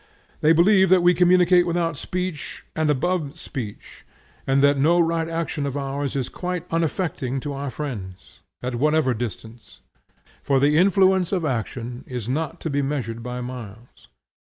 They believe that we communicate without speech and above speech, and that no right action of ours is quite unaffecting to our friends, at whatever distance; for the influence of action is not to be measured by miles.